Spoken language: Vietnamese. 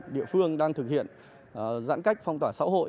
địa phương đang thực hiện giãn cách phong tỏa xã hội